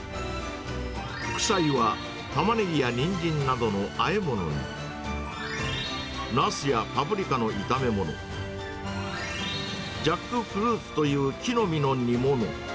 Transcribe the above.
副菜は、タマネギやニンジンなどのあえ物に、ナスやパプリカの炒め物、ジャックフルーツという木の実の煮物。